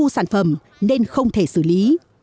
sản phẩm nên không thể xử lý